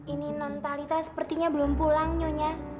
ini non talita sepertinya belum pulang nyonya